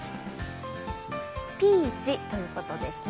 ピーチということですね。